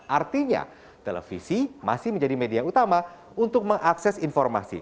artinya televisi masih menjadi media utama untuk mengakses informasi